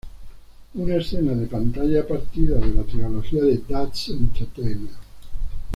Una escena de pantalla partida de la trilogía de "That's Entertainment!